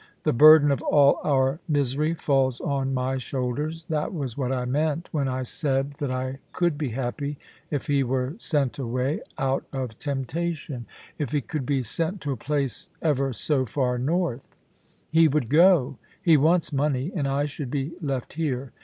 The burden of all our misery falls on my shoulders. That was what I meant when I said that I e6ikl be happy if he were sent away out of temptation — if 7—2 loo POLICY AND PASSION. he could be sent to a place ever so far north. ... He would go — he wants money — and I should be left here.